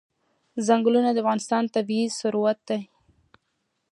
چنګلونه د افغانستان طبعي ثروت دی.